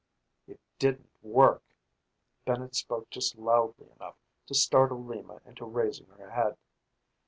"It didn't work." Bennett spoke just loudly enough to startle Lima into raising her head.